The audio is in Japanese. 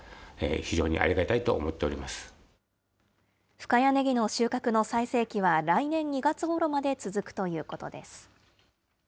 深谷ねぎの収穫の最盛期は、来年２月ごろまで続くということです。